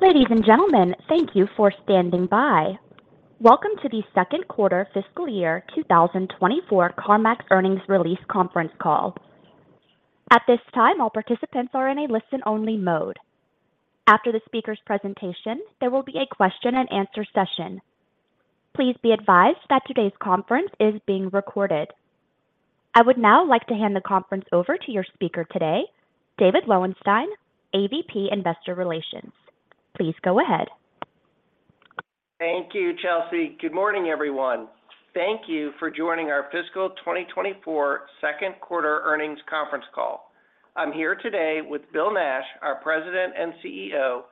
Ladies and gentlemen, thank you for standing by. Welcome to the Q2 fiscal year 2024 CarMax Earnings Release Conference Call. At this time, all participants are in a listen-only mode. After the speaker's presentation, there will be a question and answer session. Please be advised that today's conference is being recorded. I would now like to hand the conference over to your speaker today, David Lowenstein, AVP, Investor Relations. Please go ahead. Thank you, Chelsea. Good morning, everyone. Thank you for joining our fiscal 2024 Q2 earnings conference call. I'm here today with Bill Nash, our President and CEO,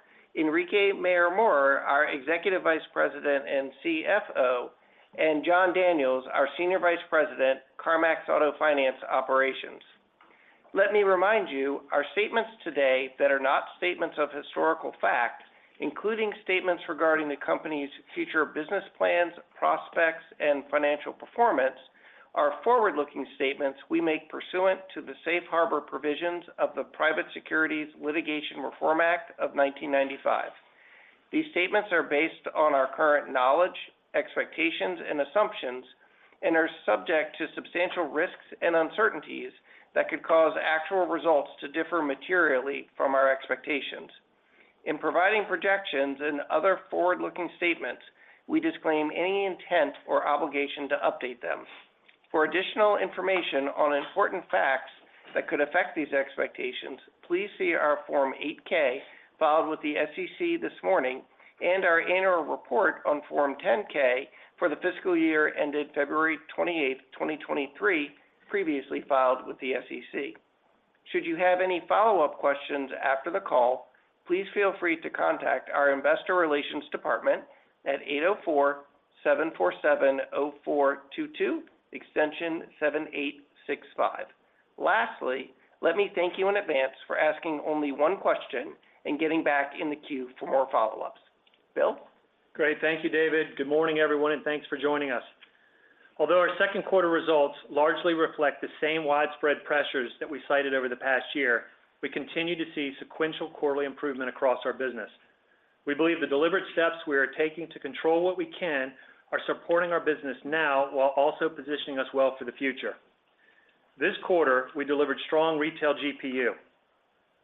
Enrique Mayor-Mora, our Executive Vice President and CFO, and Jon Daniels, our Senior Vice President, CarMax Auto Finance Operations. Let me remind you, our statements today that are not statements of historical fact, including statements regarding the company's future business plans, prospects, and financial performance, are forward-looking statements we make pursuant to the Safe Harbor Provisions of the Private Securities Litigation Reform Act of 1995. These statements are based on our current knowledge, expectations, and assumptions, and are subject to substantial risks and uncertainties that could cause actual results to differ materially from our expectations. In providing projections and other forward-looking statements, we disclaim any intent or obligation to update them. For additional information on important facts that could affect these expectations, please see our Form 8-K, filed with the SEC this morning, and our annual report on Form 10-K for the fiscal year ended February 28, 2023, previously filed with the SEC. Should you have any follow-up questions after the call, please feel free to contact our Investor Relations Department at 804-747-0422, extension 7865. Lastly, let me thank you in advance for asking only one question and getting back in the queue for more follow-ups. Bill? Great. Thank you, David. Good morning, everyone, and thanks for joining us. Although our Q2 results largely reflect the same widespread pressures that we cited over the past year, we continue to see sequential quarterly improvement across our business. We believe the deliberate steps we are taking to control what we can are supporting our business now while also positioning us well for the future. This quarter, we delivered strong retail GPU.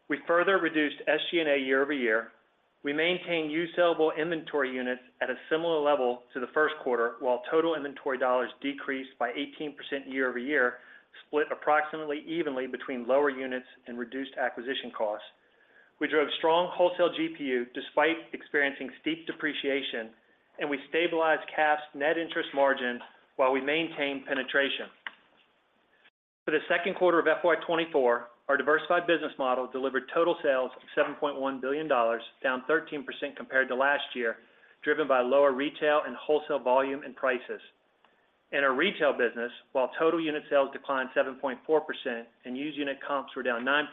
We further reduced SG&A year-over-year. We maintained used sellable inventory units at a similar level to the Q1, while total inventory dollars decreased by 18% year-over-year, split approximately evenly between lower units and reduced acquisition costs. We drove strong wholesale GPU despite experiencing steep depreciation, and we stabilized CAF's net interest margin while we maintain penetration. For the Q2 of FY 2024, our diversified business model delivered total sales of $7.1 billion, down 13% compared to last year, driven by lower retail and wholesale volume and prices. In our retail business, while total unit sales declined 7.4% and used unit comps were down 9%,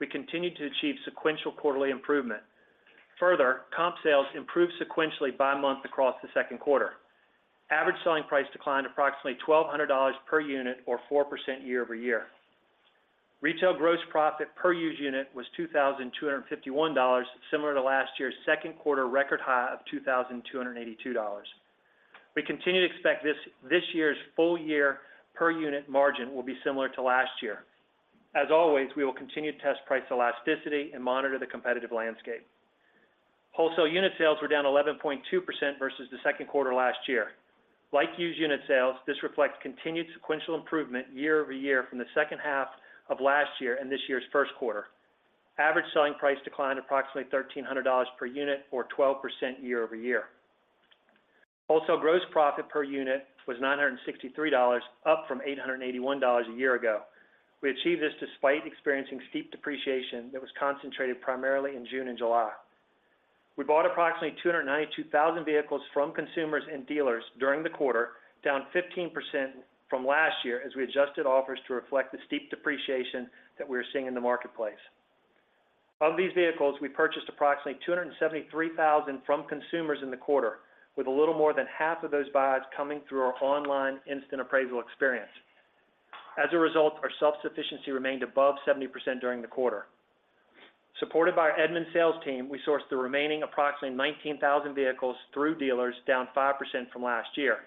we continued to achieve sequential quarterly improvement. Further, comp sales improved sequentially by month across the Q2. Average selling price declined approximately $1,200 per unit or 4% year-over-year. Retail gross profit per used unit was $2,251, similar to last year's Q2 record high of $2,282. We continue to expect this year's full year per unit margin will be similar to last year. As always, we will continue to test price elasticity and monitor the competitive landscape. Wholesale unit sales were down 11.2% versus the Q2 last year. Like used unit sales, this reflects continued sequential improvement year-over-year from the second half of last year and this year's Q1. Average selling price declined approximately $1,300 per unit or 12% year-over-year. Wholesale gross profit per unit was $963, up from $881 a year ago. We achieved this despite experiencing steep depreciation that was concentrated primarily in June and July. We bought approximately 292,000 vehicles from consumers and dealers during the quarter, down 15% from last year, as we adjusted offers to reflect the steep depreciation that we are seeing in the marketplace. Of these vehicles, we purchased approximately 273,000 from consumers in the quarter, with a little more than half of those buys coming through our Online Instant Appraisal experience. As a result, our self-sufficiency remained above 70% during the quarter. Supported by our Edmunds sales team, we sourced the remaining approximately 19,000 vehicles through dealers, down 5% from last year.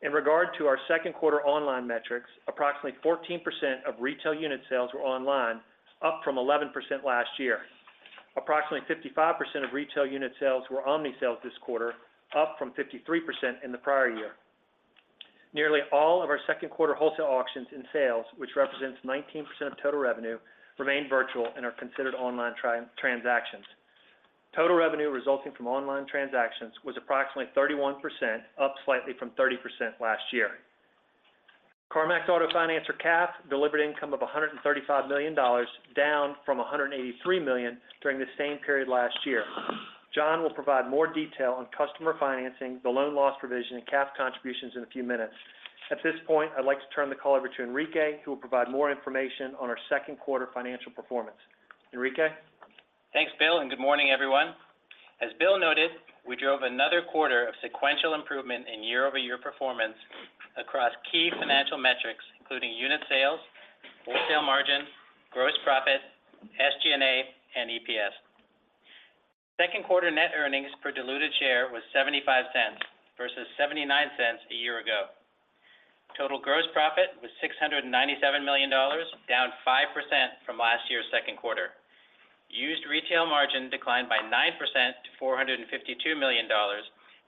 In regard to our Q2 online metrics, approximately 14% of retail unit sales were online, up from 11% last year. Approximately 55% of retail unit sales were Omni-Sales this quarter, up from 53% in the prior year. Nearly all of our Q2 wholesale auctions and sales, which represents 19% of total revenue, remained virtual and are considered online transactions. Total revenue resulting from online transactions was approximately 31%, up slightly from 30% last year. CarMax Auto Finance or CAF delivered income of $135 million, down from $183 million during the same period last year. John will provide more detail on customer financing, the loan loss provision, and CAF contributions in a few minutes. At this point, I'd like to turn the call over to Enrique, who will provide more information on our Q2 financial performance. Enrique? Thanks, Bill, and good morning, everyone. As Bill noted, we drove another quarter of sequential improvement in year-over-year performance across key financial metrics, including unit sales,... wholesale margin, gross profit, SG&A, and EPS. Q2 net earnings per diluted share was $0.75 versus $0.79 a year ago. Total gross profit was $697 million, down 5% from last year's Q2. Used retail margin declined by 9% to $452 million,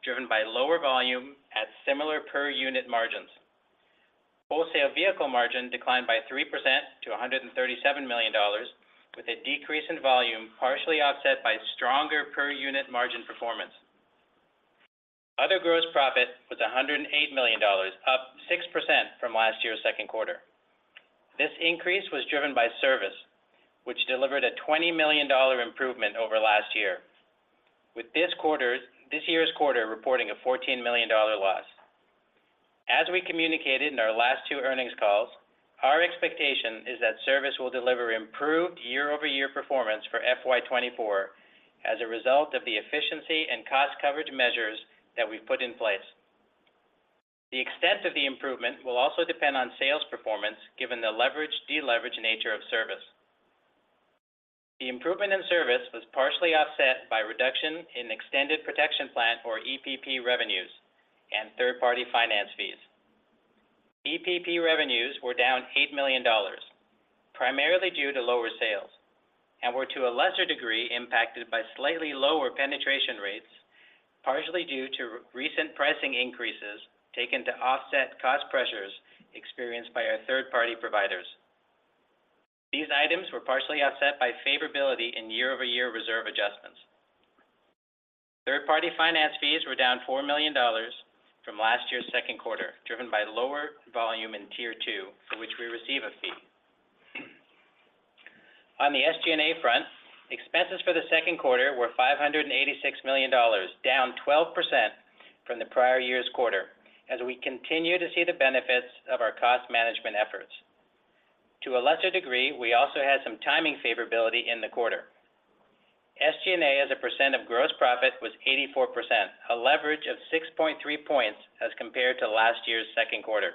driven by lower volume at similar per unit margins. Wholesale vehicle margin declined by 3% to $137 million, with a decrease in volume partially offset by stronger per unit margin performance. Other gross profit was $108 million, up 6% from last year's Q2. This increase was driven by service, which delivered a $20 million improvement over last year. With this year's quarter reporting a $14 million loss. As we communicated in our last 2 earnings calls, our expectation is that service will deliver improved year-over-year performance for FY 2024 as a result of the efficiency and cost coverage measures that we've put in place. The extent of the improvement will also depend on sales performance, given the leverage, deleverage nature of service. The improvement in service was partially offset by reduction in Extended Protection Plan, or EPP, revenues and third-party finance fees. EPP revenues were down $8 million, primarily due to lower sales, and were, to a lesser degree, impacted by slightly lower penetration rates, partially due to recent pricing increases taken to offset cost pressures experienced by our third-party providers. These items were partially offset by favorability in year-over-year reserve adjustments. Third-party finance fees were down $4 million from last year's Q2, driven by lower volume in Tier Two, for which we receive a fee. On the SG&A front, expenses for the Q2 were $586 million, down 12% from the prior year's quarter, as we continue to see the benefits of our cost management efforts. To a lesser degree, we also had some timing favorability in the quarter. SG&A, as a percent of gross profit, was 84%, a leverage of 6.3 points as compared to last year's Q2.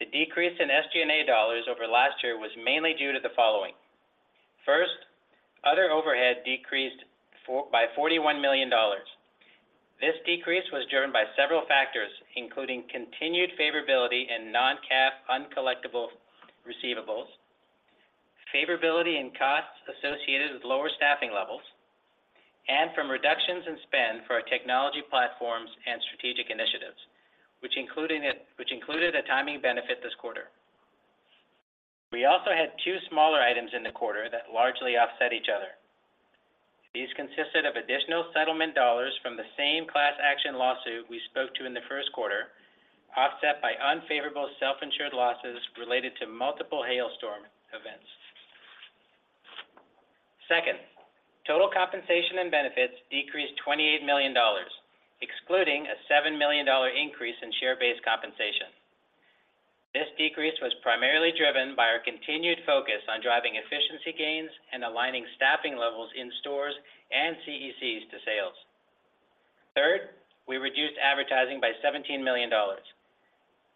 The decrease in SG&A dollars over last year was mainly due to the following: first, other overhead decreased by $41 million. This decrease was driven by several factors, including continued favorability in non-CAF, uncollectible receivables, favorability in costs associated with lower staffing levels, and from reductions in spend for our technology platforms and strategic initiatives, which included a timing benefit this quarter. We also had two smaller items in the quarter that largely offset each other. These consisted of additional settlement dollars from the same class action lawsuit we spoke to in the Q1, offset by unfavorable self-insured losses related to multiple hailstorm events. Second, total compensation and benefits decreased $28 million, excluding a $7 million increase in share-based compensation. This decrease was primarily driven by our continued focus on driving efficiency gains and aligning staffing levels in stores and CECs to sales. Third, we reduced advertising by $17 million.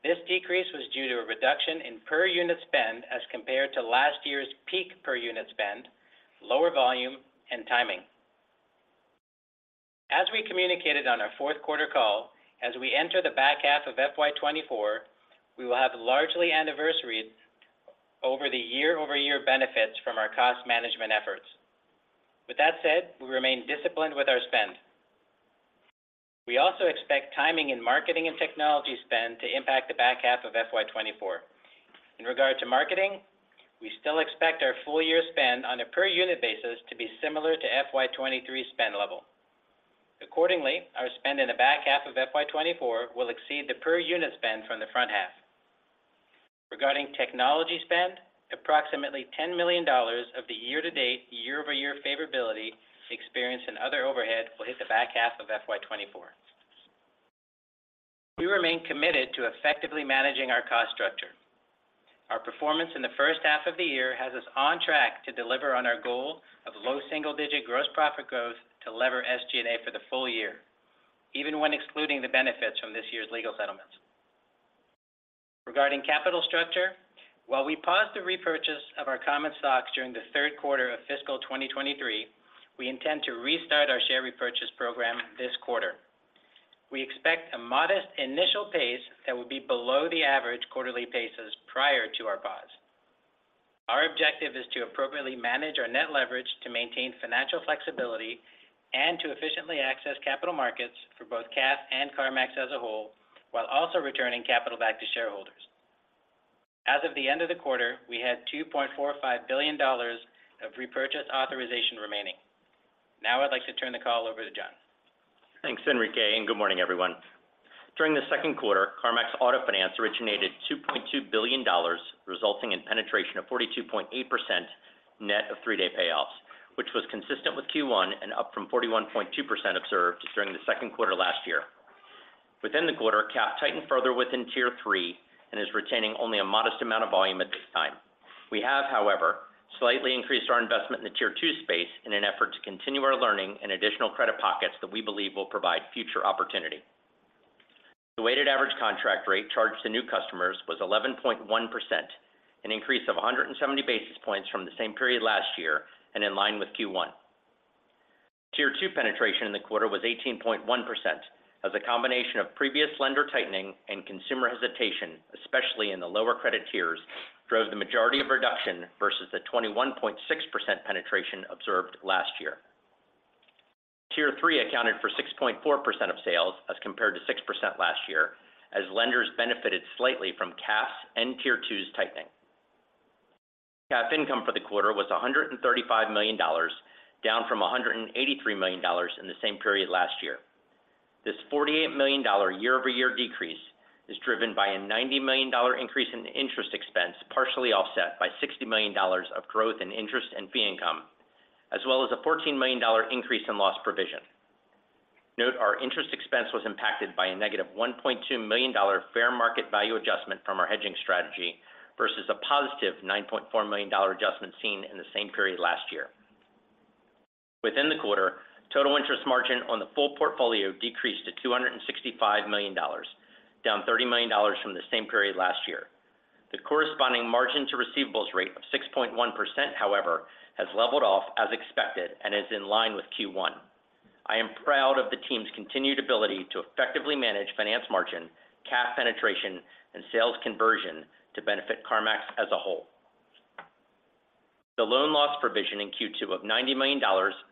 This decrease was due to a reduction in per unit spend as compared to last year's peak per unit spend, lower volume, and timing. As we communicated on our Q4 call, as we enter the back half of FY 2024, we will have largely anniversaried over the year-over-year benefits from our cost management efforts. With that said, we remain disciplined with our spend. We also expect timing in marketing and technology spend to impact the back half of FY 2024. In regard to marketing, we still expect our full year spend on a per unit basis to be similar to FY 2023 spend level. Accordingly, our spend in the back half of FY 2024 will exceed the per unit spend from the front half. Regarding technology spend, approximately $10 million of the year-to-date, year-over-year favorability experienced in other overhead will hit the back half of FY 2024. We remain committed to effectively managing our cost structure. Our performance in the first half of the year has us on track to deliver on our goal of low single-digit gross profit growth to lever SG&A for the full year, even when excluding the benefits from this year's legal settlements. Regarding capital structure, while we paused the repurchase of our common stocks during the Q3 of fiscal 2023, we intend to restart our share repurchase program this quarter. We expect a modest initial pace that will be below the average quarterly paces prior to our pause. Our objective is to appropriately manage our net leverage to maintain financial flexibility and to efficiently access capital markets for both CAF and CarMax as a whole, while also returning capital back to shareholders. As of the end of the quarter, we had $2.45 billion of repurchase authorization remaining. Now I'd like to turn the call over to Jon. Thanks, Enrique, and good morning, everyone. During the Q2, CarMax Auto Finance originated $2.2 billion, resulting in penetration of 42.8% net of three-day payoffs, which was consistent with Q1 and up from 41.2% observed during the Q2 last year. Within the quarter, CAF tightened further within Tier Three and is retaining only a modest amount of volume at this time. We have, however, slightly increased our investment in the Tier Two space in an effort to continue our learning in additional credit pockets that we believe will provide future opportunity.... The weighted average contract rate charged to new customers was 11.1%, an increase of 170 basis points from the same period last year and in line with Q1. Tier two penetration in the quarter was 18.1%, as a combination of previous lender tightening and consumer hesitation, especially in the lower credit tiers, drove the majority of reduction versus the 21.6% penetration observed last year. Tier three accounted for 6.4% of sales, as compared to 6% last year, as lenders benefited slightly from CAF and tier two's tightening. CAF income for the quarter was $135 million, down from $183 million in the same period last year. This $48 million year-over-year decrease is driven by a $90 million increase in interest expense, partially offset by $60 million of growth in interest and fee income, as well as a $14 million increase in loss provision. Note, our interest expense was impacted by a negative $1.2 million fair market value adjustment from our hedging strategy versus a positive $9.4 million adjustment seen in the same period last year. Within the quarter, total interest margin on the full portfolio decreased to $265 million, down $30 million from the same period last year. The corresponding margin to receivables rate of 6.1%, however, has leveled off as expected and is in line with Q1. I am proud of the team's continued ability to effectively manage finance margin, cash penetration, and sales conversion to benefit CarMax as a whole. The loan loss provision in Q2 of $90 million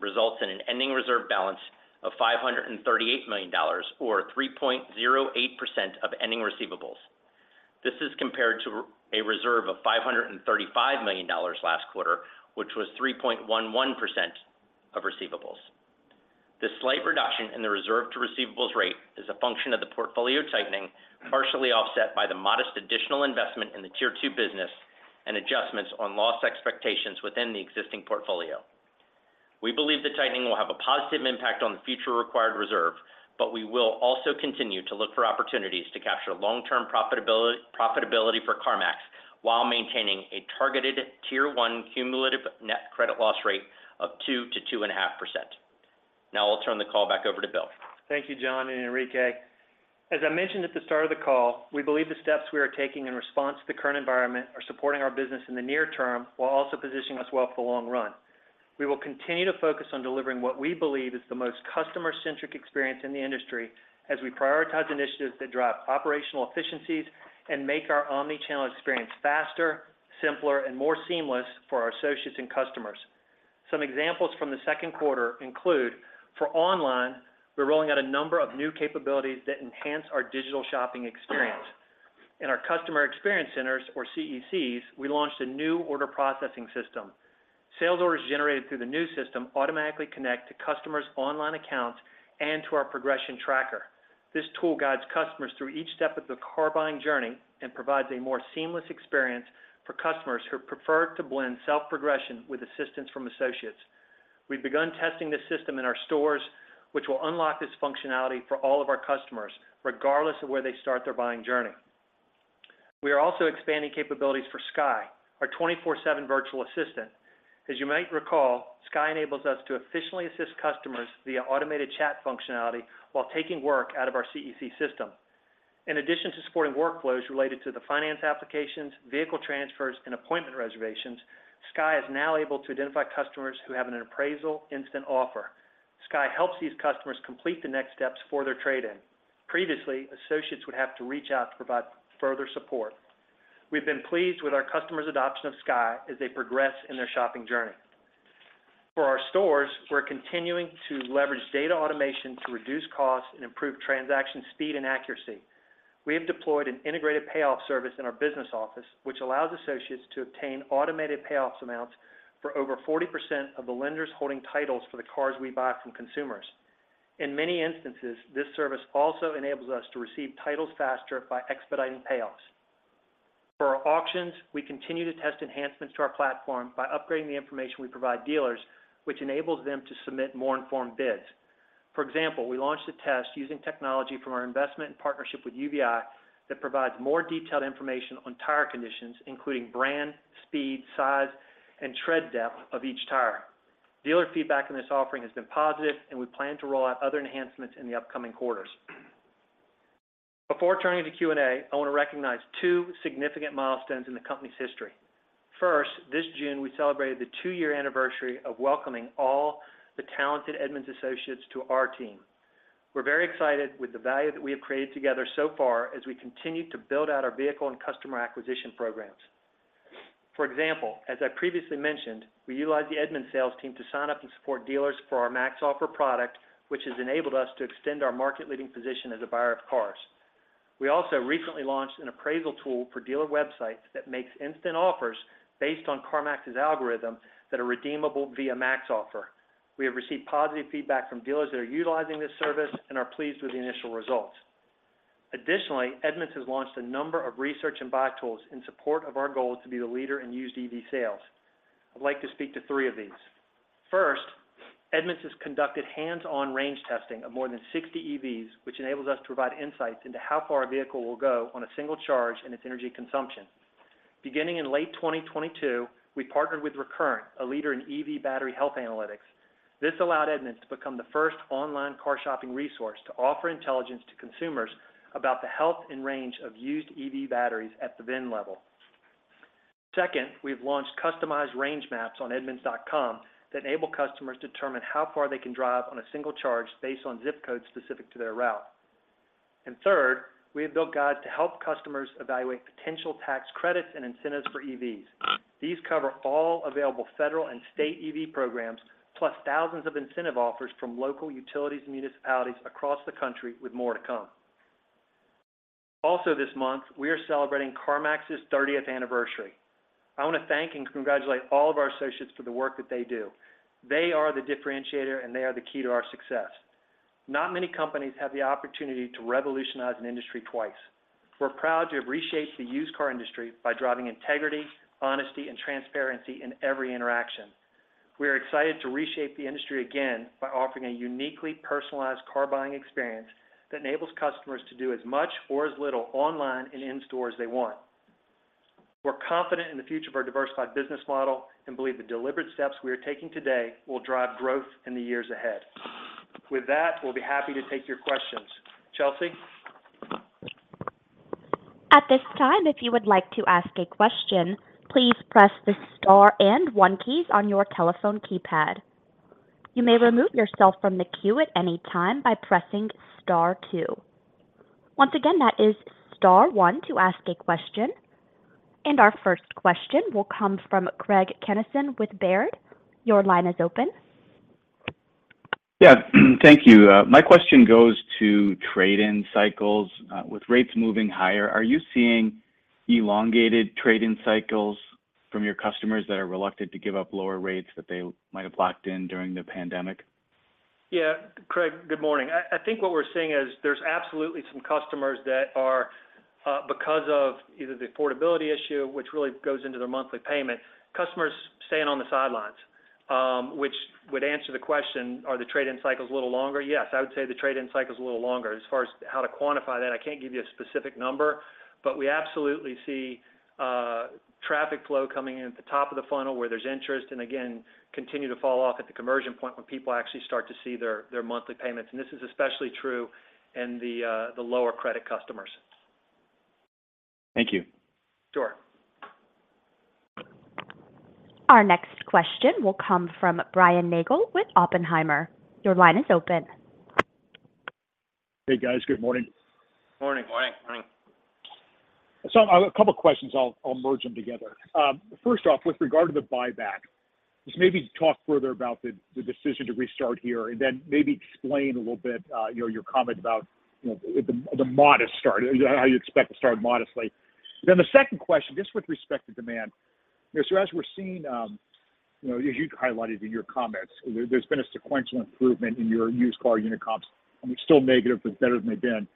results in an ending reserve balance of $538 million, or 3.08% of ending receivables. This is compared to a reserve of $535 million last quarter, which was 3.11% of receivables. The slight reduction in the reserve to receivables rate is a function of the portfolio tightening, partially offset by the modest additional investment in the Tier Two business and adjustments on loss expectations within the existing portfolio. We believe the tightening will have a positive impact on the future required reserve, but we will also continue to look for opportunities to capture long-term profitability, profitability for CarMax while maintaining a targeted Tier One cumulative net credit loss rate of 2%-2.5%. Now I'll turn the call back over to Bill. Thank you, John and Enrique. As I mentioned at the start of the call, we believe the steps we are taking in response to the current environment are supporting our business in the near term, while also positioning us well for the long run. We will continue to focus on delivering what we believe is the most customer-centric experience in the industry as we prioritize initiatives that drive operational efficiencies and make our omni-channel experience faster, simpler, and more seamless for our associates and customers. Some examples from the Q2 include: for online, we're rolling out a number of new capabilities that enhance our digital shopping experience. In our customer experience centers, or CECs, we launched a new order processing system. Sales orders generated through the new system automatically connect to customers' online accounts and to our Progression Tracker. This tool guides customers through each step of the car buying journey and provides a more seamless experience for customers who prefer to blend self-progression with assistance from associates. We've begun testing this system in our stores, which will unlock this functionality for all of our customers, regardless of where they start their buying journey. We are also expanding capabilities for Skye, our 24/7 virtual assistant. As you might recall, Skye enables us to efficiently assist customers via automated chat functionality while taking work out of our CEC system. In addition to supporting workflows related to the finance applications, vehicle transfers, and appointment reservations, Skye is now able to identify customers who have an appraisal instant offer. Skye helps these customers complete the next steps for their trade-in. Previously, associates would have to reach out to provide further support. We've been pleased with our customers' adoption of Skye as they progress in their shopping journey. For our stores, we're continuing to leverage data automation to reduce costs and improve transaction speed and accuracy. We have deployed an integrated payoff service in our business office, which allows associates to obtain automated payoff amounts for over 40% of the lenders holding titles for the cars we buy from consumers. In many instances, this service also enables us to receive titles faster by expediting payoffs. For our auctions, we continue to test enhancements to our platform by upgrading the information we provide dealers, which enables them to submit more informed bids. For example, we launched a test using technology from our investment partnership with UVeye that provides more detailed information on tire conditions, including brand, speed, size, and tread depth of each tire. Dealer feedback on this offering has been positive, and we plan to roll out other enhancements in the upcoming quarters. Before turning to Q&A, I want to recognize two significant milestones in the company's history. First, this June, we celebrated the two-year anniversary of welcoming all the talented Edmunds associates to our team. We're very excited with the value that we have created together so far as we continue to build out our vehicle and customer acquisition programs. For example, as I previously mentioned, we utilize the Edmunds sales team to sign up and support dealers for our Max Offer product, which has enabled us to extend our market-leading position as a buyer of cars. We also recently launched an appraisal tool for dealer websites that makes instant offers based on CarMax's algorithm that are redeemable via Max Offer. We have received positive feedback from dealers that are utilizing this service and are pleased with the initial results. Additionally, Edmunds has launched a number of research and buy tools in support of our goal to be the leader in used EV sales. I'd like to speak to three of these. First, Edmunds has conducted hands-on range testing of more than 60 EVs, which enables us to provide insights into how far a vehicle will go on a single charge and its energy consumption.... Beginning in late 2022, we partnered with Recurrent, a leader in EV battery health analytics. This allowed Edmunds to become the first online car shopping resource to offer intelligence to consumers about the health and range of used EV batteries at the VIN level. Second, we've launched customized range maps on Edmunds.com that enable customers to determine how far they can drive on a single charge based on zip code specific to their route. Third, we have built guides to help customers evaluate potential tax credits and incentives for EVs. These cover all available federal and state EV programs, plus thousands of incentive offers from local utilities and municipalities across the country, with more to come. Also this month, we are celebrating CarMax's thirtieth anniversary. I want to thank and congratulate all of our associates for the work that they do. They are the differentiator, and they are the key to our success. Not many companies have the opportunity to revolutionize an industry twice. We're proud to have reshaped the used car industry by driving integrity, honesty, and transparency in every interaction. We are excited to reshape the industry again by offering a uniquely personalized car buying experience that enables customers to do as much or as little online and in-store as they want. We're confident in the future of our diversified business model and believe the deliberate steps we are taking today will drive growth in the years ahead. With that, we'll be happy to take your questions. Chelsea? At this time, if you would like to ask a question, please press the Star and One keys on your telephone keypad. You may remove yourself from the queue at any time by pressing Star Two. Once again, that is Star One to ask a question. Our first question will come from Craig Kennison with Baird. Your line is open. Yeah, thank you. My question goes to trade-in cycles. With rates moving higher, are you seeing elongated trade-in cycles from your customers that are reluctant to give up lower rates that they might have locked in during the pandemic? Yeah, Craig, good morning. I think what we're seeing is there's absolutely some customers that are, because of either the affordability issue, which really goes into their monthly payment, customers staying on the sidelines, which would answer the question, are the trade-in cycles a little longer? Yes, I would say the trade-in cycle is a little longer. As far as how to quantify that, I can't give you a specific number, but we absolutely see traffic flow coming in at the top of the funnel where there's interest, and again, continue to fall off at the conversion point when people actually start to see their monthly payments. And this is especially true in the lower credit customers. Thank you. Sure. Our next question will come from Brian Nagel with Oppenheimer. Your line is open. Hey, guys. Good morning. Morning. Morning. Morning. So, a couple of questions, I'll merge them together. First off, with regard to the buyback, just maybe talk further about the decision to restart here, and then maybe explain a little bit your comment about, you know, the modest start, how you expect to start modestly. Then the second question, just with respect to demand, so as we're seeing, you know, as you highlighted in your comments, there's been a sequential improvement in your used car unit comps, and it's still negative, but better than they've been.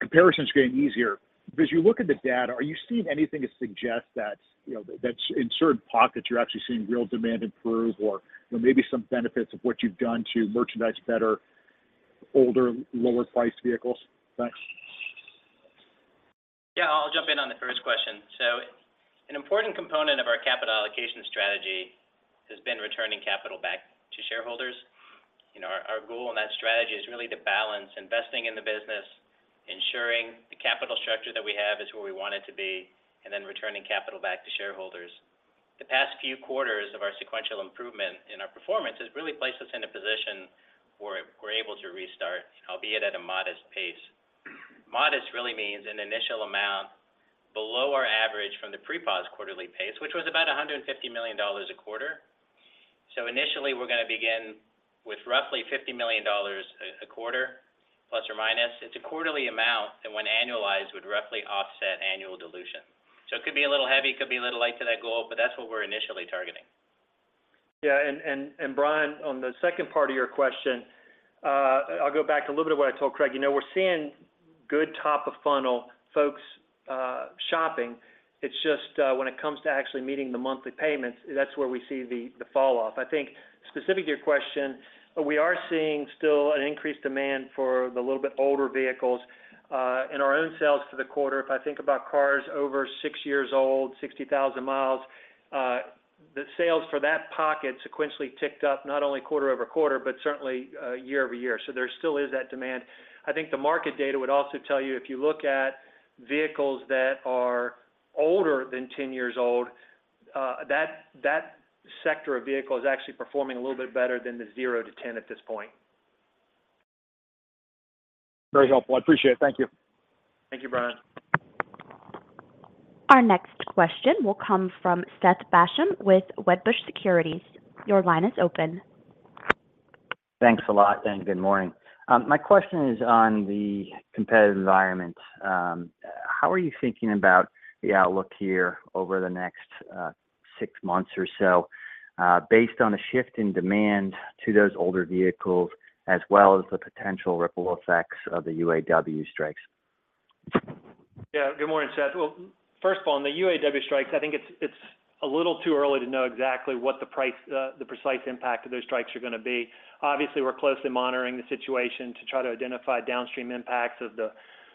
Comparisons are getting easier. But as you look at the data, are you seeing anything to suggest that, you know, that in certain pockets, you're actually seeing real demand improve or, you know, maybe some benefits of what you've done to merchandise better, older, lower-priced vehicles? Thanks. Yeah, I'll jump in on the first question. So an important component of our capital allocation strategy has been returning capital back to shareholders. You know, our goal in that strategy is really to balance investing in the business, ensuring the capital structure that we have is where we want it to be, and then returning capital back to shareholders. The past few quarters of our sequential improvement in our performance has really placed us in a position where we're able to restart, albeit at a modest pace. Modest really means an initial amount below our average from the pre-pause quarterly pace, which was about $150 million a quarter. So initially, we're going to begin with roughly $50 million a quarter, ±. It's a quarterly amount that when annualized, would roughly offset annual dilution. It could be a little heavy, it could be a little light to that goal, but that's what we're initially targeting. Yeah, and Brian, on the second part of your question, I'll go back to a little bit of what I told Craig. You know, we're seeing good top of funnel folks shopping. It's just, when it comes to actually meeting the monthly payments, that's where we see the falloff. I think specific to your question, we are seeing still an increased demand for the little bit older vehicles in our own sales for the quarter. If I think about cars over 6 years old, 60,000 miles, the sales for that pocket sequentially ticked up not only quarter-over-quarter, but certainly year-over-year. So there still is that demand. I think the market data would also tell you, if you look at vehicles that are older than 10 years old, that that sector of vehicle is actually performing a little bit better than the 0-10 at this point. Very helpful. I appreciate it. Thank you. Thank you, Brian. Our next question will come from Seth Basham with Wedbush Securities. Your line is open. Thanks a lot, and good morning. My question is on the competitive environment. How are you thinking about the outlook here over the next six months or so, based on a shift in demand to those older vehicles, as well as the potential ripple effects of the UAW strikes? Yeah. Good morning, Seth. Well, first of all, on the UAW strikes, I think it's a little too early to know exactly what the precise impact of those strikes are going to be. Obviously, we're closely monitoring the situation to try to identify downstream impacts of the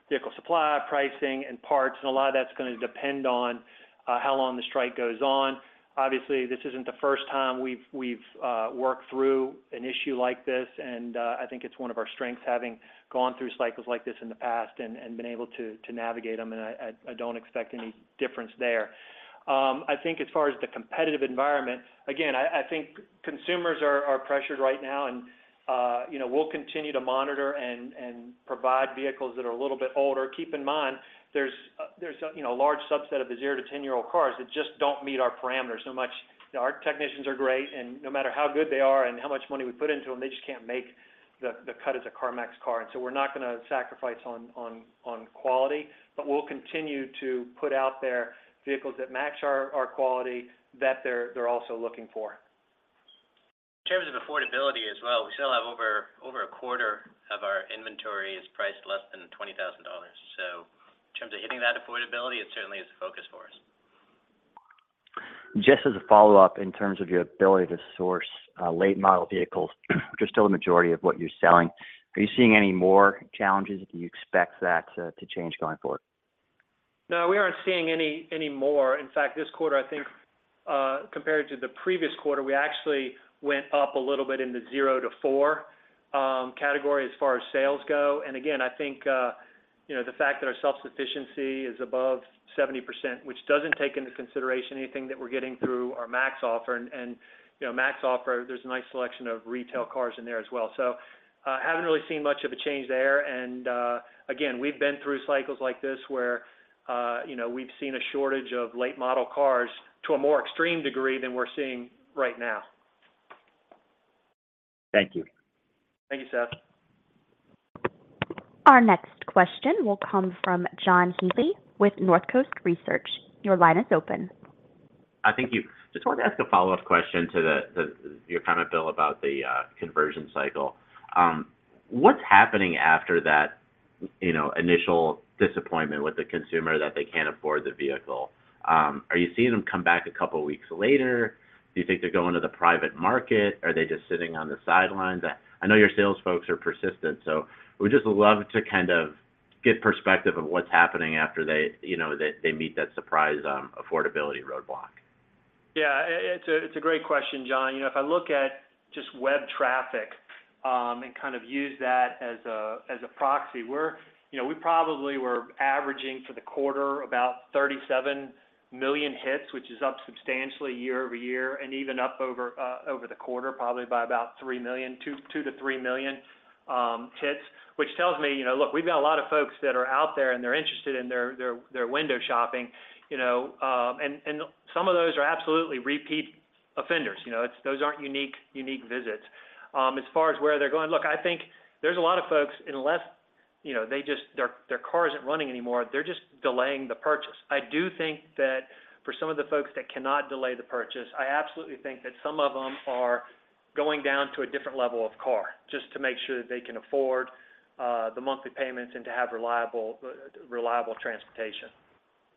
vehicle supply, pricing, and parts. And a lot of that's going to depend on how long the strike goes on. Obviously, this isn't the first time we've worked through an issue like this, and I think it's one of our strengths, having gone through cycles like this in the past and been able to navigate them. And I don't expect any difference there. I think as far as the competitive environment, again, I think consumers are pressured right now, and you know, we'll continue to monitor and provide vehicles that are a little bit older. Keep in mind, there's a you know, a large subset of the zero to 10-year-old cars that just don't meet our parameters. Our technicians are great, and no matter how good they are and how much money we put into them, they just can't make the cut as a CarMax car. And so we're not going to sacrifice on quality, but we'll continue to put out there vehicles that match our quality that they're also looking for. In terms of affordability as well, we still have over a quarter of our inventory is priced less than $20,000. So in terms of hitting that affordability, it certainly is a focus for us. Just as a follow-up, in terms of your ability to source, late model vehicles, which are still the majority of what you're selling, are you seeing any more challenges? Do you expect that, to change going forward? No, we aren't seeing any more. In fact, this quarter, I think, compared to the previous quarter, we actually went up a little bit in the 0-4 category as far as sales go. And again, I think, you know, the fact that our Self-Sufficiency is above 70%, which doesn't take into consideration anything that we're getting through our Max Offer. And, you know, Max Offer, there's a nice selection of retail cars in there as well. So, I haven't really seen much of a change there. And, again, we've been through cycles like this where, you know, we've seen a shortage of late model cars to a more extreme degree than we're seeing right now. Thank you. Thank you, Seth. Our next question will come from John Healy with North Coast Research. Your line is open. Thank you. Just wanted to ask a follow-up question to your comment, Bill, about the conversion cycle. What's happening after that, you know, initial disappointment with the consumer that they can't afford the vehicle? Are you seeing them come back a couple of weeks later? Do you think they're going to the private market? Are they just sitting on the sidelines? I know your sales folks are persistent, so we just love to kind of get perspective of what's happening after they, you know, meet that surprise affordability roadblock. Yeah, it's a great question, John. You know, if I look at just web traffic, and kind of use that as a proxy, we're you know, we probably were averaging for the quarter about 37 million hits, which is up substantially year-over-year, and even up over, over the quarter, probably by about 3 million, 2, 2 to 3 million hits. Which tells me, you know, look, we've got a lot of folks that are out there, and they're interested, and they're window shopping, you know, and some of those are absolutely repeat offenders. You know, it's those aren't unique visits. As far as where they're going, look, I think there's a lot of folks, unless, you know, they just their car isn't running anymore, they're just delaying the purchase. I do think that for some of the folks that cannot delay the purchase, I absolutely think that some of them are going down to a different level of car, just to make sure that they can afford the monthly payments and to have reliable transportation. Yeah,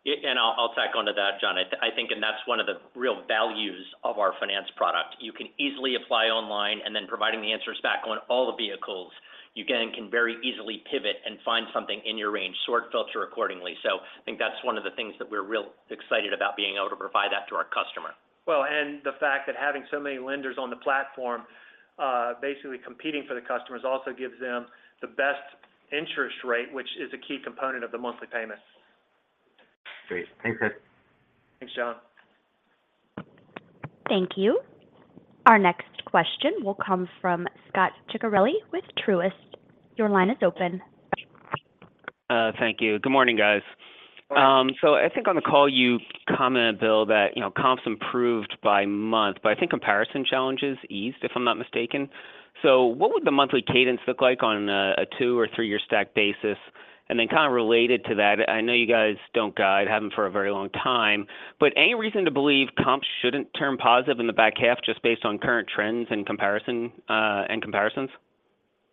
and I'll tack on to that, John. I think, and that's one of the real values of our finance product. You can easily apply online, and then providing the answers back on all the vehicles, you again, can very easily pivot and find something in your range, sort, filter accordingly. So I think that's one of the things that we're real excited about, being able to provide that to our customer. Well, and the fact that having so many lenders on the platform, basically competing for the customers, also gives them the best interest rate, which is a key component of the monthly payments. Great. Thanks, Bill. Thanks, John. Thank you. Our next question will come from Scot Ciccarelli with Truist. Your line is open. Thank you. Good morning, guys. Morning. So I think on the call you commented, Bill, that, you know, comps improved by month, but I think comparison challenges eased, if I'm not mistaken. So what would the monthly cadence look like on a, a two or three-year stack basis? And then, kind of related to that, I know you guys don't guide, haven't for a very long time, but any reason to believe comps shouldn't turn positive in the back half, just based on current trends in comparison, and comparisons?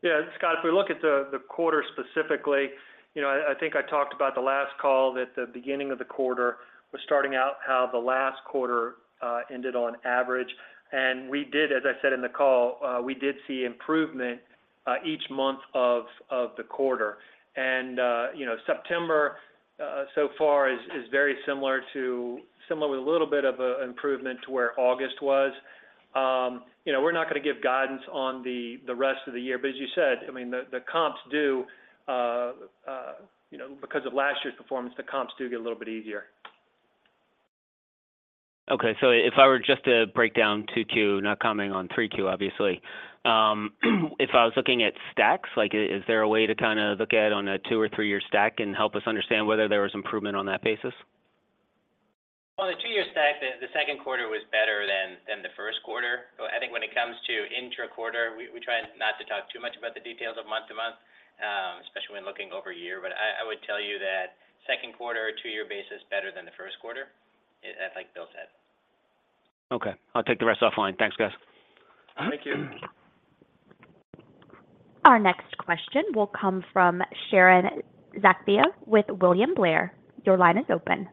Yeah, Scot, if we look at the quarter specifically, you know, I think I talked about the last call that the beginning of the quarter was starting out how the last quarter ended on average. And we did as I said in the call, we did see improvement each month of the quarter. And, you know, September so far is very similar with a little bit of improvement to where August was. You know, we're not going to give guidance on the rest of the year, but as you said, I mean, the comps do, you know, because of last year's performance, the comps do get a little bit easier. Okay. So if I were just to break down 2Q, not commenting on 3Q, obviously, if I was looking at stacks, like is there a way to kind of look at on a 2- or 3-year stack and help us understand whether there was improvement on that basis? On the two-year stack, the Q2 was better than the Q1. But I think when it comes to intra-quarter, we try not to talk too much about the details of month to month, especially when looking over a year. But I would tell you that Q2, a two-year basis, better than the Q1, like Bill said. Okay. I'll take the rest offline. Thanks, guys. Thank you. Our next question will come from Sharon Zackfia with William Blair. Your line is open.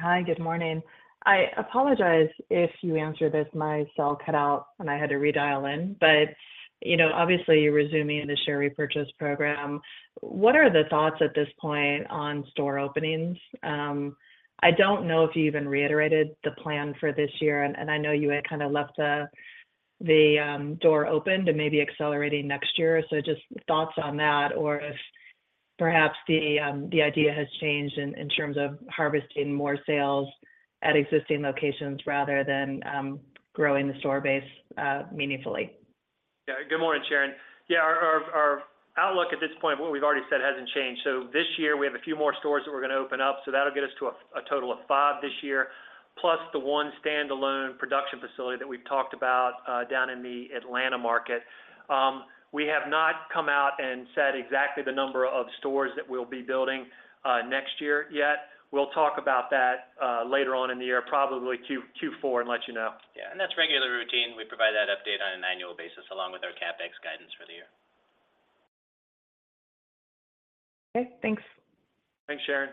Hi, good morning. I apologize if you answered this. My cell cut out, and I had to redial in. But, you know, obviously, you're resuming the share repurchase program. What are the thoughts at this point on store openings? I don't know if you even reiterated the plan for this year, and I know you had kinda left the door open to maybe accelerating next year. So just thoughts on that, or if perhaps the idea has changed in terms of harvesting more sales at existing locations rather than growing the store base meaningfully. Yeah. Good morning, Sharon. Yeah, our outlook at this point, what we've already said hasn't changed. So this year, we have a few more stores that we're going to open up, so that'll get us to a total of 5 this year, plus the one standalone production facility that we've talked about down in the Atlanta market. We have not come out and said exactly the number of stores that we'll be building next year yet. We'll talk about that later on in the year, probably Q4, and let you know. Yeah, and that's regular routine. We provide that update on an annual basis, along with our CapEx guidance for the year. Okay, thanks. Thanks, Sharon.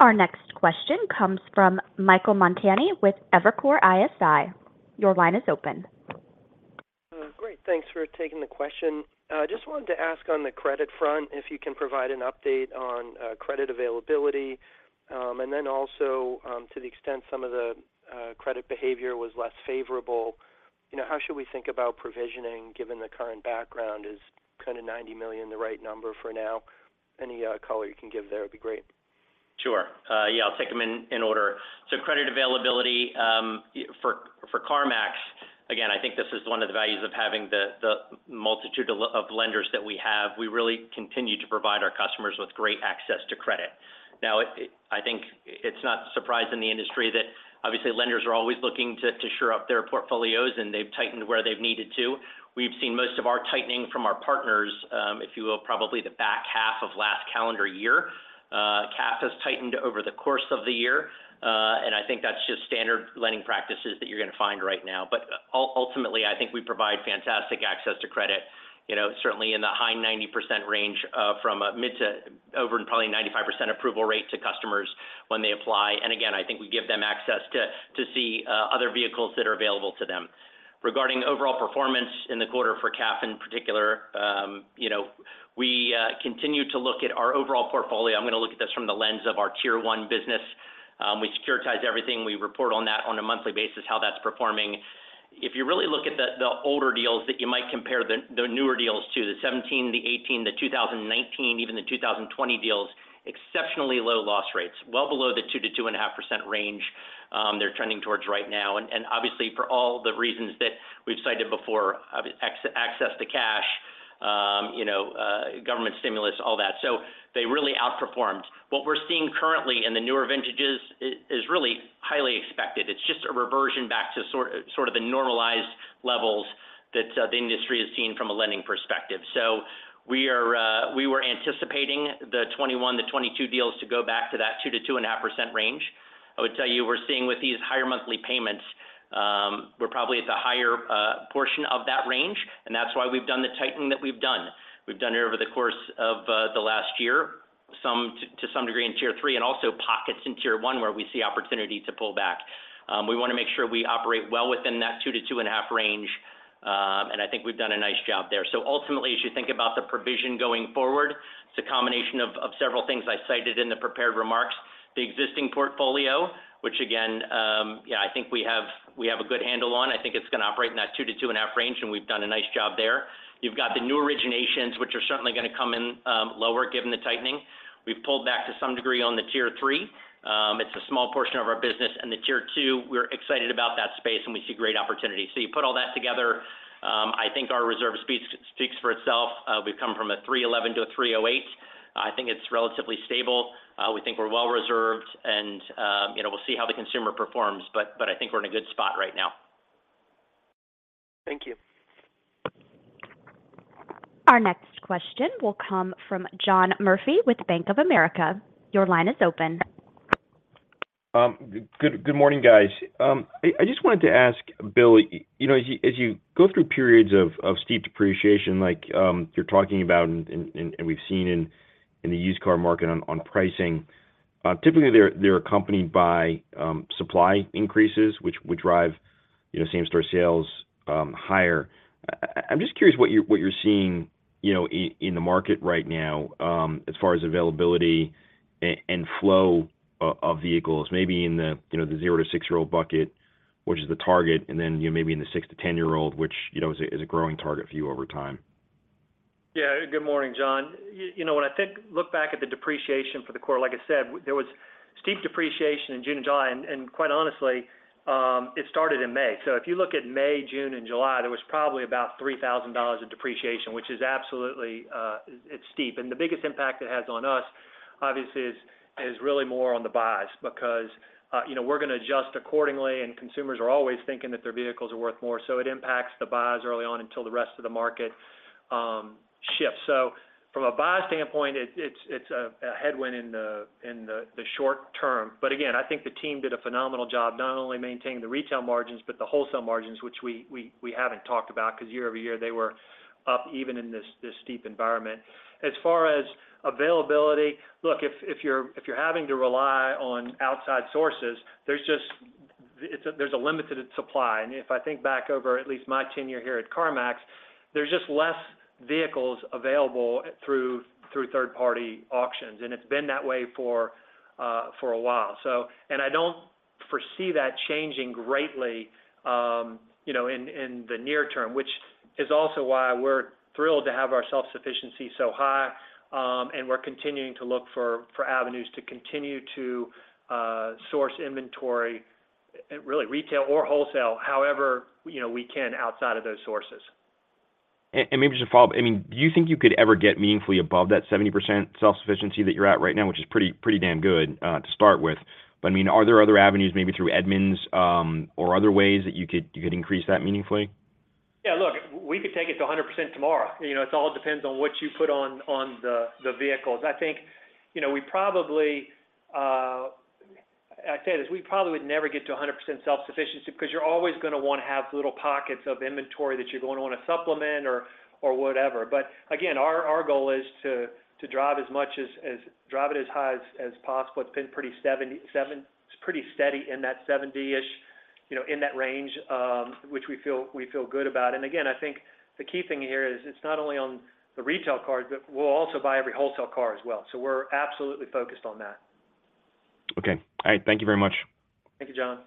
Our next question comes from Michael Montani with Evercore ISI. Your line is open. Great. Thanks for taking the question. Just wanted to ask on the credit front if you can provide an update on credit availability. And then also, to the extent some of the credit behavior was less favorable, you know, how should we think about provisioning, given the current background? Is kind of $90 million the right number for now? Any color you can give there would be great. Sure. Yeah, I'll take them in order. So credit availability for CarMax. Again, I think this is one of the values of having the multitude of lenders that we have. We really continue to provide our customers with great access to credit. Now, I think it's not surprising in the industry that obviously lenders are always looking to shore up their portfolios, and they've tightened where they've needed to. We've seen most of our tightening from our partners, if you will, probably the back half of last calendar year. CAF has tightened over the course of the year, and I think that's just standard lending practices that you're going to find right now. But ultimately, I think we provide fantastic access to credit, you know, certainly in the high 90% range, from mid- to over- and probably 95% approval rate to customers when they apply. And again, I think we give them access to, to see, other vehicles that are available to them. Regarding overall performance in the quarter for CAF in particular, you know, we continue to look at our overall portfolio. I'm going to look at this from the lens of our Tier One business. We securitize everything. We report on that on a monthly basis, how that's performing. If you really look at the older deals that you might compare the newer deals to, the 2017, the 2018, the 2019, even the 2020 deals, exceptionally low loss rates, well below the 2%-2.5% range they're trending towards right now. And obviously, for all the reasons that we've cited before, access to cash, you know, government stimulus, all that. So they really outperformed. What we're seeing currently in the newer vintages is really highly expected. It's just a reversion back to sort of the normalized levels that the industry has seen from a lending perspective. So we are we were anticipating the 2021 to 2022 deals to go back to that 2%-2.5% range. I would tell you, we're seeing with these higher monthly payments, we're probably at the higher portion of that range, and that's why we've done the tightening that we've done. We've done it over the course of the last year, some to some degree in Tier Three, and also pockets in Tier One, where we see opportunity to pull back. We want to make sure we operate well within that 2-2.5 range, and I think we've done a nice job there. So ultimately, as you think about the provision going forward, it's a combination of several things I cited in the prepared remarks. The existing portfolio, which again, yeah, I think we have a good handle on. I think it's going to operate in that 2-2.5 range, and we've done a nice job there. You've got the new originations, which are certainly going to come in lower, given the tightening. We've pulled back to some degree on the Tier Three. It's a small portion of our business. And the Tier Two, we're excited about that space, and we see great opportunity. So you put all that together, I think our reserve speaks for itself. We've come from a 3.11 to a 3.08. I think it's relatively stable. We think we're well reserved, and, you know, we'll see how the consumer performs, but I think we're in a good spot right now. Thank you. Our next question will come from John Murphy with Bank of America. Your line is open. Good morning, guys. I just wanted to ask Bill, you know, as you go through periods of steep depreciation, like you're talking about and we've seen in the used car market on pricing, typically, they're accompanied by supply increases, which would drive, you know, same-store sales higher. I'm just curious what you're seeing, you know, in the market right now, as far as availability and flow of vehicles, maybe in the, you know, the 0-6-year-old bucket, which is the target, and then, you know, maybe in the 6-10-year-old, which, you know, is a growing target for you over time. Yeah. Good morning, John. You know, when I look back at the depreciation for the quarter, like I said, there was steep depreciation in June and July, and quite honestly, it started in May. So if you look at May, June, and July, there was probably about $3,000 of depreciation, which is absolutely, it's steep. And the biggest impact it has on us, obviously, is really more on the buys, because, you know, we're going to adjust accordingly, and consumers are always thinking that their vehicles are worth more. So it impacts the buys early on until the rest of the market shift. So from a buy standpoint, it, it's, it's a, a headwind in the, in the, the short term. But again, I think the team did a phenomenal job, not only maintaining the retail margins, but the wholesale margins, which we haven't talked about, 'cause year over year, they were up even in this steep environment. As far as availability, look, if you're having to rely on outside sources, there's just a limited supply. And if I think back over at least my tenure here at CarMax, there's just less vehicles available through third-party auctions, and it's been that way for a while. So... And I don't foresee that changing greatly, you know, in the near term, which is also why we're thrilled to have our self-sufficiency so high. And we're continuing to look for avenues to continue to source inventory at really retail or wholesale, however, you know, we can outside of those sources. Maybe just to follow up. I mean, do you think you could ever get meaningfully above that 70% self-sufficiency that you're at right now, which is pretty, pretty damn good, to start with? But, I mean, are there other avenues, maybe through Edmunds, or other ways that you could, you could increase that meaningfully? Yeah, look, we could take it to 100% tomorrow. You know, it all depends on what you put on the vehicles. I think, you know, we probably... I said, is we probably would never get to 100% self-sufficiency, 'cause you're always gonna wanna have little pockets of inventory that you're gonna wanna supplement or whatever. But again, our goal is to drive it as high as possible. It's been pretty steady in that 70-ish, you know, in that range, which we feel good about. And again, I think the key thing here is, it's not only on the retail car, but we'll also buy every wholesale car as well. So we're absolutely focused on that. Okay. All right. Thank you very much. Thank you, John.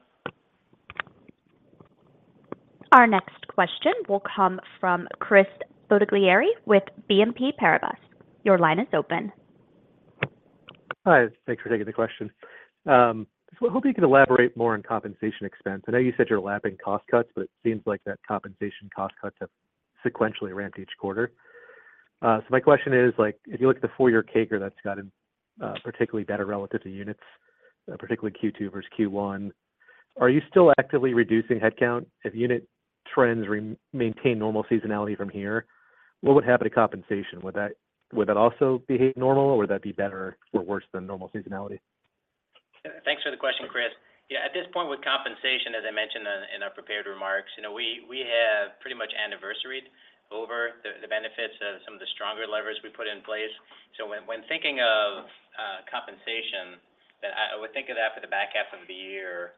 Our next question will come from Chris Bottiglieri with BNP Paribas. Your line is open. Hi, thanks for taking the question. So I hope you can elaborate more on compensation expense. I know you said you're lapping cost cuts, but it seems like that compensation cost cuts have sequentially ramped each quarter. So my question is, like, if you look at the full year CAGR, that's gotten particularly better relative to units, particularly Q2 versus Q1, are you still actively reducing headcount? If unit trends maintain normal seasonality from here, what would happen to compensation? Would that, would that also behave normal, or would that be better or worse than normal seasonality? Thanks for the question, Chris. Yeah, at this point with compensation, as I mentioned in our prepared remarks, you know, we have pretty much anniversaried over the benefits of some of the stronger levers we put in place. So when thinking of compensation, I would think of that for the back half of the year,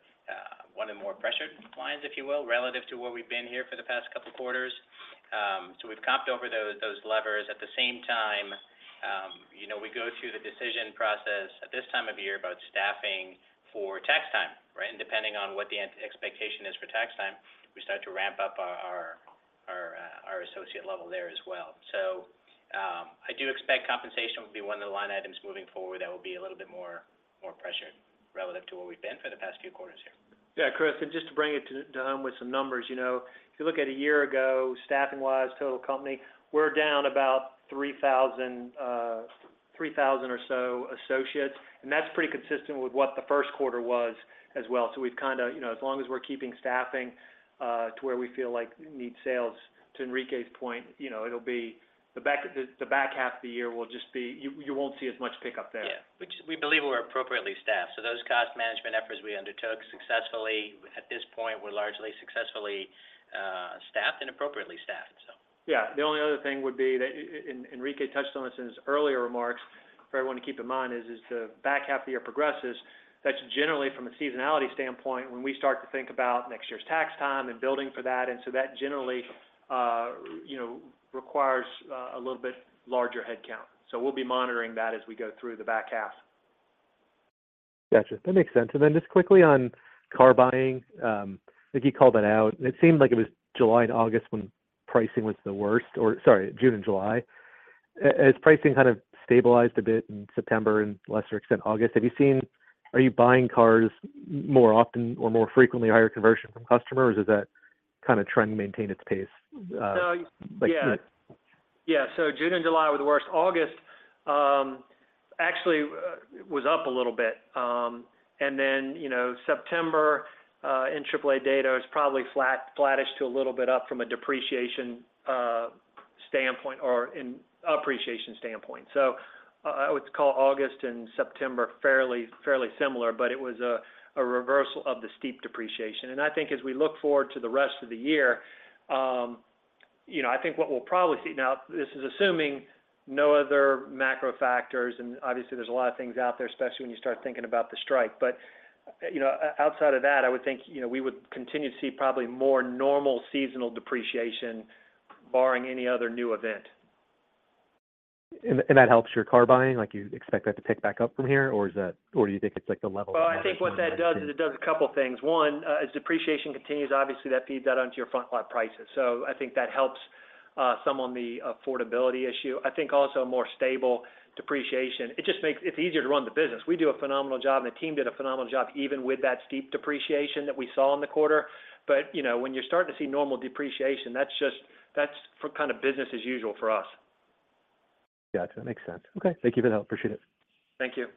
one of the more pressured lines, if you will, relative to where we've been here for the past couple of quarters. So we've comped over those levers. At the same time, you know, we go through the decision process at this time of year about staffing for tax time, right? And depending on what the expectation is for tax time, we start to ramp up our associate level there as well. I do expect compensation will be one of the line items moving forward that will be a little bit more, more pressured relative to where we've been for the past few quarters here. Yeah, Chris, and just to bring it to home with some numbers. You know, if you look at a year ago, staffing-wise, total company, we're down about 3,000 or so associates, and that's pretty consistent with what the Q1 was as well. So we've kinda, you know, as long as we're keeping staffing to where we feel like we need sales, to Enrique's point, you know, it'll be the back half of the year will just be. You won't see as much pickup there. Yeah. Which we believe we're appropriately staffed. So those cost management efforts we undertook successfully, at this point, we're largely successfully staffed and appropriately staffed, so. Yeah. The only other thing would be, that Enrique touched on this in his earlier remarks. For everyone to keep in mind is, as the back half of the year progresses, that's generally from a seasonality standpoint, when we start to think about next year's tax time and building for that, and so that generally, you know, requires a little bit larger headcount. So we'll be monitoring that as we go through the back half. Gotcha, that makes sense. And then just quickly on car buying, I think you called that out, and it seemed like it was July and August when pricing was the worst, or sorry, June and July. As pricing kind of stabilized a bit in September and lesser extent, August, are you buying cars more often or more frequently, higher conversion from customers, or is that kind of trending to maintain its pace, like- No. Yeah. Yeah, so June and July were the worst. August, actually, was up a little bit. And then, you know, September in AAA data was probably flat, flattish to a little bit up from a depreciation standpoint or in appreciation standpoint. So, I would call August and September fairly, fairly similar, but it was a reversal of the steep depreciation. And I think as we look forward to the rest of the year, you know, I think what we'll probably see... Now, this is assuming no other macro factors, and obviously, there's a lot of things out there, especially when you start thinking about the strike. But, you know, outside of that, I would think, you know, we would continue to see probably more normal seasonal depreciation, barring any other new event. And that helps your car buying, like, you expect that to pick back up from here, or is that—or do you think it's like the level that matters more than— Well, I think what that does is it does a couple of things. One, as depreciation continues, obviously, that feeds that onto your front lot prices. So I think that helps some on the affordability issue. I think also more stable depreciation. It just makes it easier to run the business. We do a phenomenal job, and the team did a phenomenal job, even with that steep depreciation that we saw in the quarter. But, you know, when you're starting to see normal depreciation, that's just for kind of business as usual for us. Gotcha, makes sense. Okay, thank you for the help. Appreciate it. Thank you....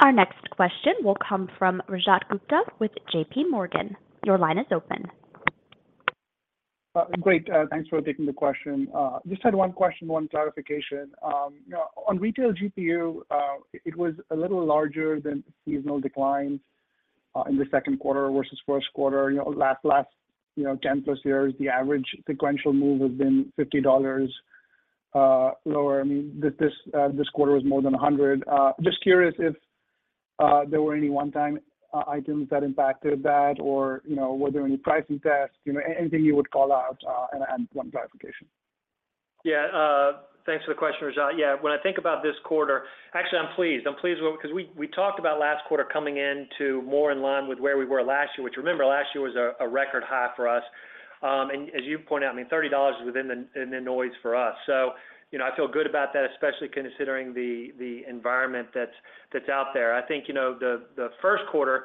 Our next question will come from Rajat Gupta with J.P. Morgan. Your line is open. Great. Thanks for taking the question. Just had one question, one clarification. You know, on retail GPU, it was a little larger than seasonal declines in the Q2 versus first quarter. You know, last ten plus years, the average sequential move has been $50 lower. I mean, this quarter was more than $100. Just curious if there were any one-time items that impacted that, or were there any pricing tests? You know, anything you would call out, and one clarification. Yeah, thanks for the question, Rajat. Yeah, when I think about this quarter... Actually, I'm pleased. I'm pleased with it because we talked about last quarter coming in to more in line with where we were last year, which, remember, last year was a record high for us. And as you pointed out, I mean, $30 is within the noise for us. So, you know, I feel good about that, especially considering the environment that's out there. I think, you know, the Q1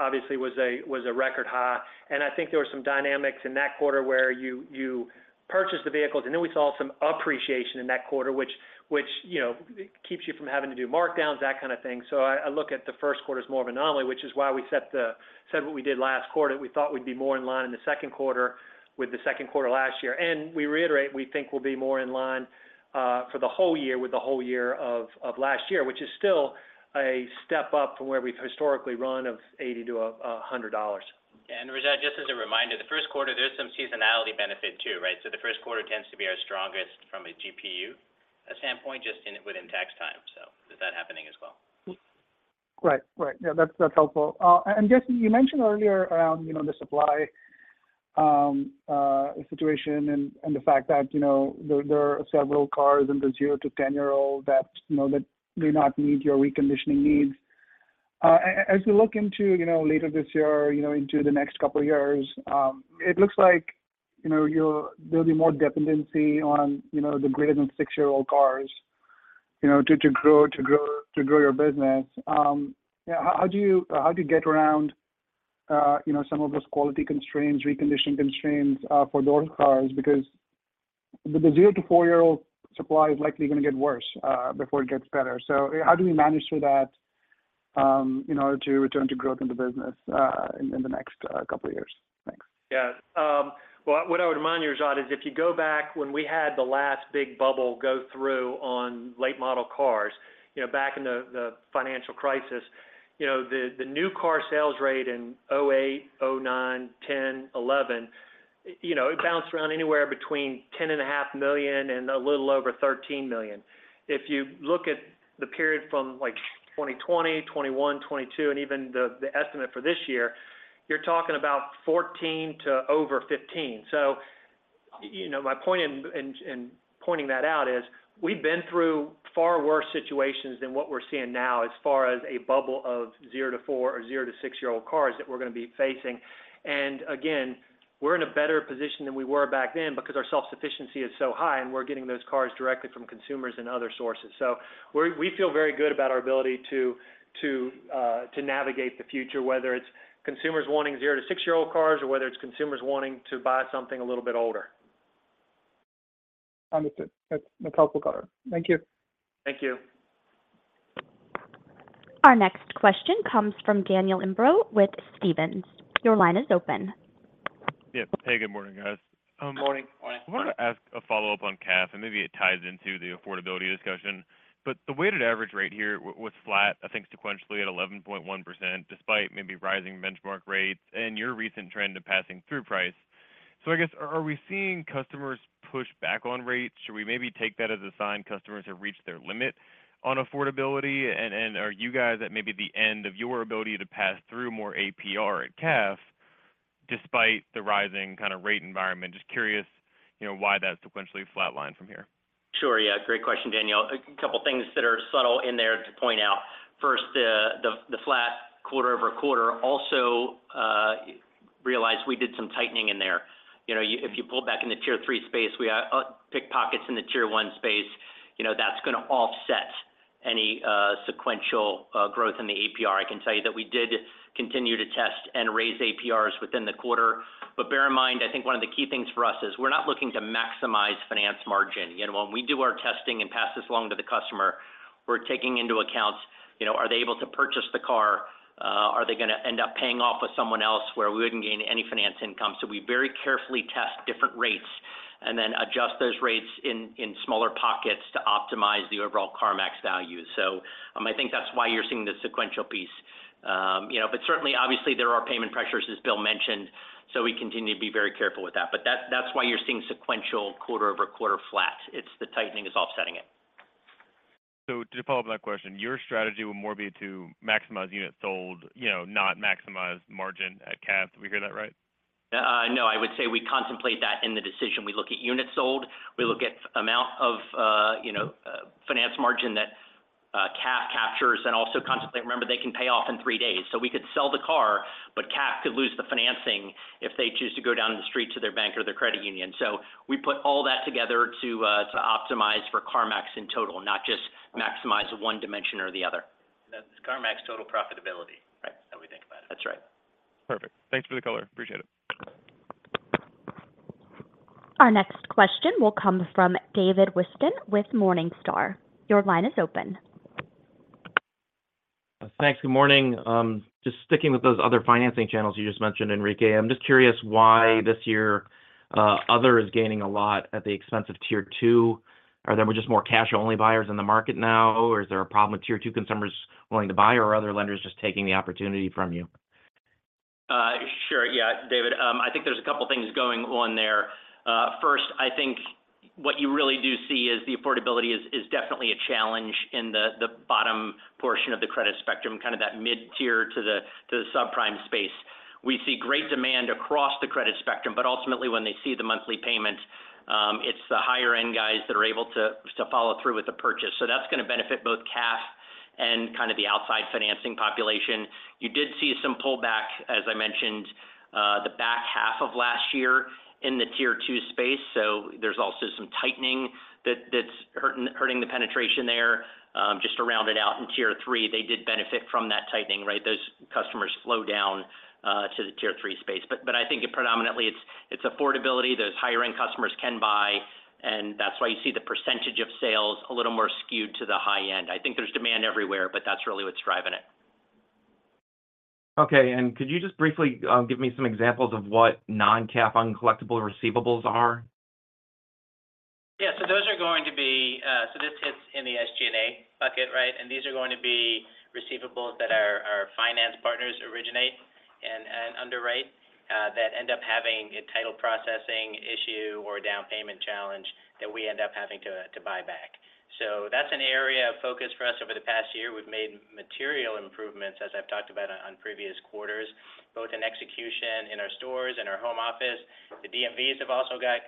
obviously was a record high, and I think there were some dynamics in that quarter where you purchased the vehicles, and then we saw some appreciation in that quarter, which, you know, keeps you from having to do markdowns, that kind of thing. So I look at the Q1 as more of an anomaly, which is why we said what we did last quarter. We thought we'd be more in line in the Q2 with the Q2 last year. And we reiterate, we think we'll be more in line for the whole year with the whole year of last year, which is still a step up from where we've historically run of $80-$100. Yeah, and Rajat, just as a reminder, the Q1, there's some seasonality benefit too, right? So the Q1 tends to be our strongest from a GPU standpoint, just within tax time. So there's that happening as well. Right. Right. Yeah, that's, that's helpful. And just, you mentioned earlier around, you know, the supply, situation and the fact that, you know, there are several cars in the 0- to 10-year-old that, you know, that do not meet your reconditioning needs. As we look into, you know, later this year, you know, into the next couple of years, it looks like, you know, there'll be more dependency on, you know, the greater than 6-year-old cars, you know, to grow your business. Yeah, how do you... How do you get around, you know, some of those quality constraints, recondition constraints, for those cars? Because the 0- to 4-year-old supply is likely going to get worse, before it gets better. So how do we manage through that, in order to return to growth in the business, in the next couple of years? Thanks. Yeah. Well, what I would remind you, Rajat, is if you go back when we had the last big bubble go through on late model cars, you know, back in the financial crisis, you know, the new car sales rate in 2008, 2009, 2010, 2011, you know, it bounced around anywhere between 10.5 million and a little over 13 million. If you look at the period from, like, 2020, 2021, 2022, and even the estimate for this year, you're talking about 14 to over 15. So, you know, my point in pointing that out is, we've been through far worse situations than what we're seeing now as far as a bubble of zero to four or zero to six-year-old cars that we're going to be facing. And again, we're in a better position than we were back then because our self-sufficiency is so high, and we're getting those cars directly from consumers and other sources. So we feel very good about our ability to navigate the future, whether it's consumers wanting 0-6-year-old cars or whether it's consumers wanting to buy something a little bit older. Understood. That's a helpful color. Thank you. Thank you. Our next question comes from Daniel Imbro with Stephens. Your line is open. Yep. Hey, good morning, guys. Good morning. Morning. I wanted to ask a follow-up on CAF, and maybe it ties into the affordability discussion. But the weighted average rate here was flat, I think, sequentially at 11.1%, despite maybe rising benchmark rates and your recent trend to passing through price. So I guess, are we seeing customers push back on rates? Should we maybe take that as a sign customers have reached their limit on affordability? And are you guys at maybe the end of your ability to pass through more APR at CAF despite the rising kind of rate environment? Just curious, you know, why that sequentially flatlined from here. Sure. Yeah, great question, Daniel. A couple of things that are subtle in there to point out. First, the flat quarter-over-quarter. Also, realize we did some tightening in there. You know, if you pull back in the Tier Three space, we pick pockets in the Tier One space, you know, that's going to offset any sequential growth in the APR. I can tell you that we did continue to test and raise APRs within the quarter. But bear in mind, I think one of the key things for us is we're not looking to maximize finance margin. You know, when we do our testing and pass this along to the customer, we're taking into account, you know, are they able to purchase the car? Are they going to end up paying off with someone else where we wouldn't gain any finance income? So we very carefully test different rates and then adjust those rates in smaller pockets to optimize the overall CarMax value. So, I think that's why you're seeing this sequential piece. You know, but certainly, obviously, there are payment pressures, as Bill mentioned, so we continue to be very careful with that. But that's why you're seeing sequential quarter-over-quarter flat. It's the tightening is offsetting it. So to follow up that question, your strategy would more be to maximize units sold, you know, not maximize margin at CAF. Did we hear that right? No, I would say we contemplate that in the decision. We look at units sold, we look at amount of, you know, finance margin that, CAF captures, and also constantly remember, they can pay off in three days. So we could sell the car, but CAF could lose the financing if they choose to go down the street to their bank or their credit union. So we put all that together to, to optimize for CarMax in total, not just maximize one dimension or the other. That's CarMax total profitability- Right how we think about it. That's right. Perfect. Thanks for the color. Appreciate it.... Our next question will come from David Whiston with Morningstar. Your line is open. Thanks. Good morning. Just sticking with those other financing channels you just mentioned, Enrique, I'm just curious why this year, other is gaining a lot at the expense of Tier Two. Are there just more cash-only buyers in the market now, or is there a problem with Tier Two consumers willing to buy, or are other lenders just taking the opportunity from you? Sure. Yeah, David, I think there's a couple things going on there. First, I think what you really do see is the affordability is definitely a challenge in the bottom portion of the credit spectrum, kind of that mid-tier to the subprime space. We see great demand across the credit spectrum, but ultimately, when they see the monthly payment, it's the higher-end guys that are able to follow through with the purchase. So that's going to benefit both CAF and kind of the outside financing population. You did see some pullback, as I mentioned, the back half of last year in the Tier Two space. So there's also some tightening that's hurting the penetration there. Just to round it out, in Tier Three, they did benefit from that tightening, right? Those customers flow down to the Tier Three space. But I think it predominantly, it's affordability. Those higher-end customers can buy, and that's why you see the percentage of sales a little more skewed to the high end. I think there's demand everywhere, but that's really what's driving it. Okay. Could you just briefly give me some examples of what non-CAF uncollectible receivables are? Yeah. So those are going to be... So this hits in the SG&A bucket, right? And these are going to be receivables that our finance partners originate and underwrite that end up having a title processing issue or a down payment challenge that we end up having to buy back. So that's an area of focus for us over the past year. We've made material improvements, as I've talked about on previous quarters, both in execution in our stores and our home office. The DMVs have also got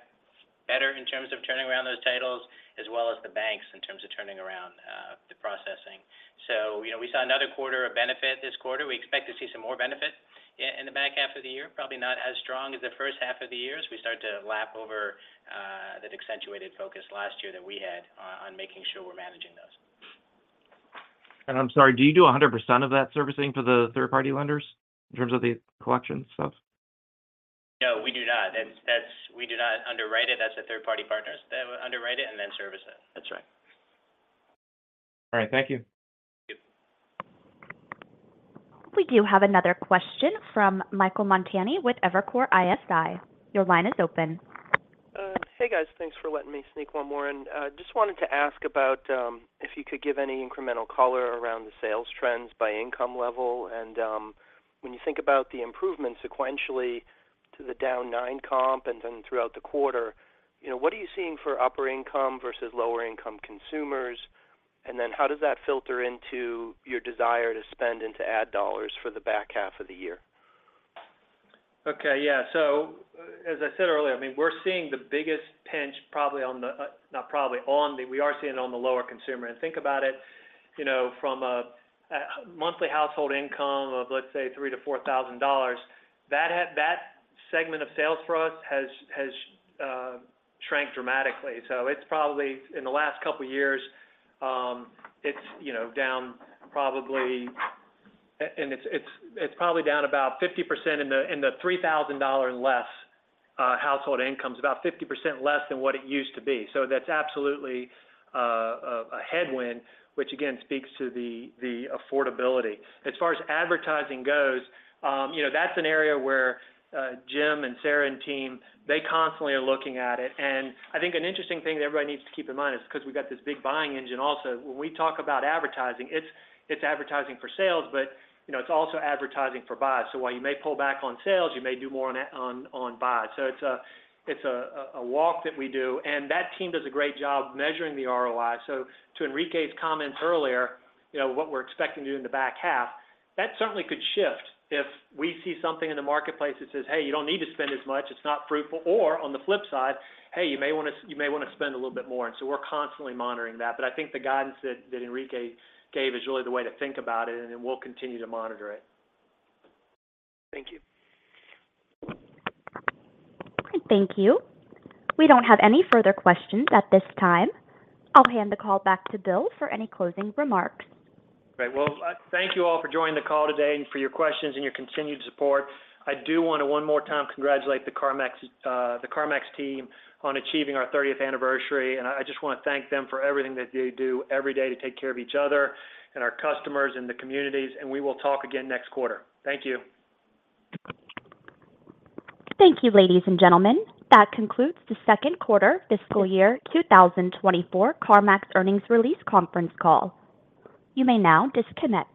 better in terms of turning around those titles, as well as the banks, in terms of turning around the processing. So, you know, we saw another quarter of benefit this quarter. We expect to see some more benefit in the back half of the year, probably not as strong as the first half of the year as we start to lap over that accentuated focus last year that we had on making sure we're managing those. I'm sorry, do you do 100% of that servicing for the third-party lenders in terms of the collection stuff? No, we do not. That's. We do not underwrite it. That's the third-party partners. They underwrite it and then service it. That's right. All right. Thank you. Thank you. We do have another question from Michael Montani with Evercore ISI. Your line is open. Hey, guys, thanks for letting me sneak one more in. Just wanted to ask about if you could give any incremental color around the sales trends by income level. And when you think about the improvement sequentially to the down 9 comp and then throughout the quarter, you know, what are you seeing for upper income versus lower income consumers? And then how does that filter into your desire to spend and to add dollars for the back half of the year? Okay, yeah. So as I said earlier, I mean, we're seeing the biggest pinch on the lower consumer. And think about it, you know, from a monthly household income of $3,000-$4,000, that had. That segment of sales for us has shrank dramatically. So it's probably, in the last couple of years, it's, you know, down probably and it's probably down about 50% in the $3,000 less household incomes, about 50% less than what it used to be. So that's absolutely a headwind, which again, speaks to the affordability. As far as advertising goes, you know, that's an area where Jim and Sarah and team, they constantly are looking at it. I think an interesting thing that everybody needs to keep in mind is 'cause we've got this big buying engine also, when we talk about advertising, it's advertising for sales, but, you know, it's also advertising for buys. So while you may pull back on sales, you may do more on buys. So it's a walk that we do, and that team does a great job measuring the ROI. So to Enrique's comments earlier, you know, what we're expecting to do in the back half, that certainly could shift. If we see something in the marketplace that says, "Hey, you don't need to spend as much, it's not fruitful," or on the flip side, "Hey, you may wanna spend a little bit more." And so we're constantly monitoring that. I think the guidance that Enrique gave is really the way to think about it, and then we'll continue to monitor it. Thank you. Thank you. We don't have any further questions at this time. I'll hand the call back to Bill for any closing remarks. Great. Well, thank you all for joining the call today and for your questions and your continued support. I do want to one more time congratulate the CarMax, the CarMax team on achieving our thirtieth anniversary. I just want to thank them for everything that they do every day to take care of each other and our customers and the communities, and we will talk again next quarter. Thank you. Thank you, ladies and gentlemen. That concludes the Q2 fiscal year 2024 CarMax earnings release conference call. You may now disconnect.